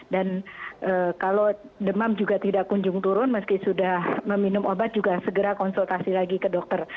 dan kalau demam juga tidak kunjung turun meski sudah meminum obat juga segera konsultasi lagi ke dokter